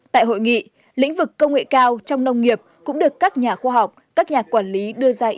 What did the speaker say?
tại hội nghị lĩnh vực công nghệ cao trong nông nghiệp cũng được các nhà khoa học các nhà quản lý đưa ra